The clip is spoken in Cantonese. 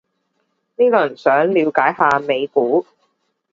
呢輪想了解下美股